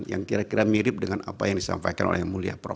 yang kira kira mirip dengan apa yang disampaikan oleh yang mulia prof